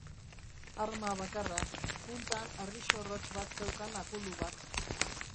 Harma bakarra, puntan harri xorrotx bat zeukan akulu bat.